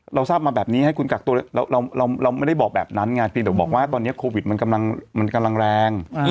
เราทราบมาแบบนี้ให้คุณกักตัวเราไม่ได้บอกแบบนั้นไงเพียงแต่บอกว่าตอนนี้โควิดมันกำลังแรง